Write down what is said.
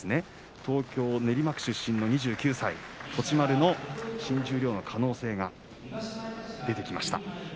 東京・練馬区出身の２９歳栃丸、新十両の可能性が出てきました。